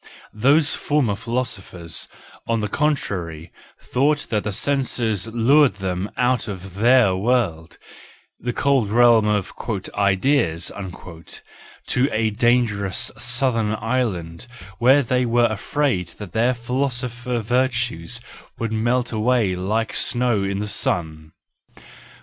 ... Those former philosophers, on the contrary, thought that the senses lured them out of their world, the cold realm of "ideas," to a dan¬ gerous southern island where they were afraid that their philosopher virtues would melt away like snow in the sun.